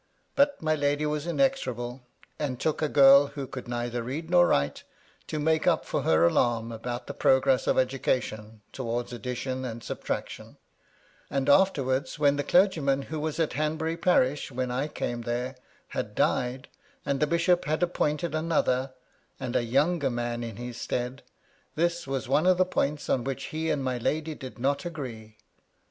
But my lady was inexorable, and took a girl who could neither read nor write, to make up for her alarm about the progress of education towards addition and subtraction ; and, afterwards, when the clergyman who was at Hanbury parish when I came there, had died, and the bishop had appointed another, and a younger man, in his stead, this was one of the points on which he and my lady did not agree.